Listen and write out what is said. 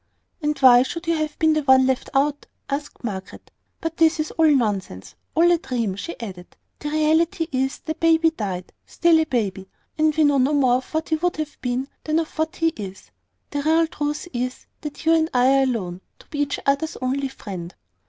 "And why should you have been the one left out?" asked Margaret. "But this is all nonsense all a dream," she added. "The reality is that baby died still a baby and we know no more of what he would have been, than of what he is. The real truth is, that you and I are alone, to be each other's only friend."